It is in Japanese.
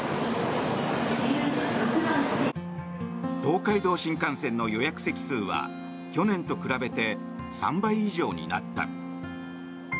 東海道新幹線の予約席数は去年と比べて３倍以上になった。